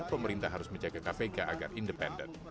pemerintah harus menjaga kpk agar independen